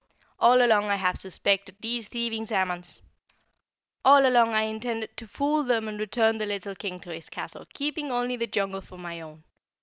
"All along I have suspected these thieving Zamans; all along I intended to fool them and return the little King to his castle, keeping only the jungle for my own.